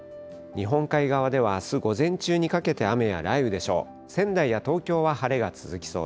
日本海側ではあす午前中にかけて雨や雷雨でしょう。